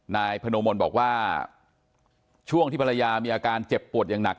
นายพนมลบอกว่าช่วงที่ภรรยามีอาการเจ็บปวดอย่างหนัก